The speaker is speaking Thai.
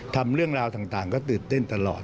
ทำเรื่องราวต่างก็ตื่นเต้นตลอด